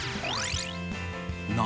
何？